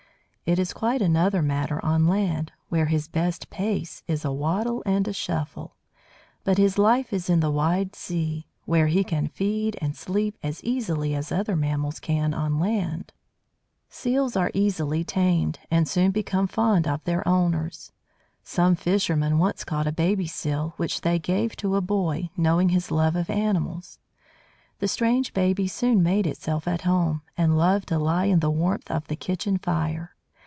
It is quite another matter on land, where his best pace is a waddle and a shuffle; but his life is in the wide sea, where he can feed and sleep as easily as other mammals can on land. Seals are easily tamed, and soon become fond of their owners. Some fishermen once caught a baby Seal, which they gave to a boy, knowing his love of animals. The strange baby soon made itself at home, and loved to lie in the warmth of the kitchen fire.